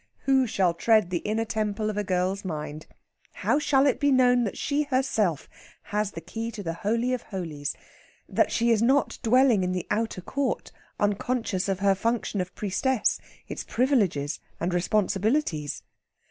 Who shall tread the inner temple of a girl's mind? How shall it be known that she herself has the key to the Holy of Holies? that she is not dwelling in the outer court, unconscious of her function of priestess, its privileges and responsibilities?